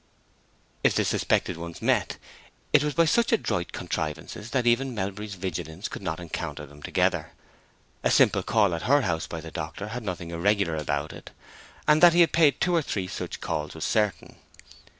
If the suspected ones met, it was by such adroit contrivances that even Melbury's vigilance could not encounter them together. A simple call at her house by the doctor had nothing irregular about it, and that he had paid two or three such calls was certain.